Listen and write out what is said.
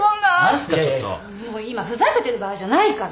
今ふざけてる場合じゃないから。